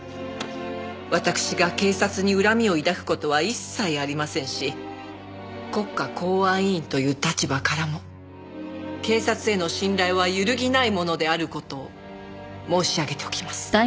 「わたくしが警察に恨みを抱く事は一切ありませんし国家公安委員という立場からも警察への信頼は揺るぎないものである事を申し上げておきます」